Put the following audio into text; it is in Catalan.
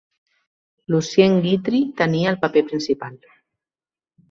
Lucien Guitry tenia el paper principal.